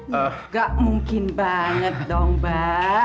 nggak mungkin banget dong mbak